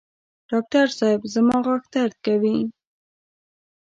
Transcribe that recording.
ډاکټر صېب زما غاښ درد کوي